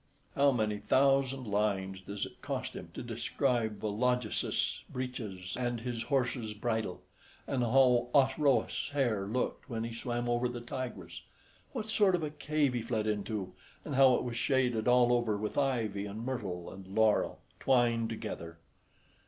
How many thousand lines does it cost him to describe Vologesus's breeches and his horse's bridle, and how Osroes' hair looked when he swam over the Tigris, what sort of a cave he fled into, and how it was shaded all over with ivy, and myrtle, and laurel, twined together.